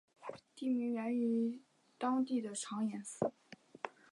地名源自于当地的长延寺。